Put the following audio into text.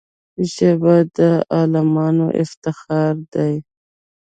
ژبه د عالمانو افتخار دی